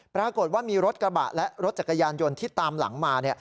ปรากฏว่ามีรถกระบะและรถจักรยานยนต์ที่ตามหลังมา